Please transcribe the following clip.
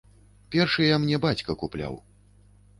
Першыя мне бацька купляў.